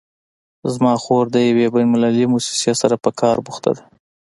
زما خور د یوې بین المللي مؤسسې سره په کار بوخته ده